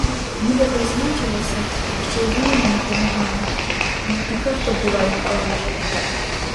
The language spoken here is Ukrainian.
Нібито значилося, що й вони мені помагають, але така то була їх поміч!